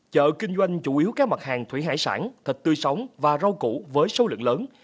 chợ kinh doanh chủ yếu các mặt hàng thủy hải sản thịt tươi sống và rau củ với số lượng lớn